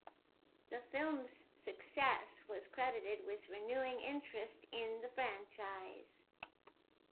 The film's success was credited with renewing interest in the franchise.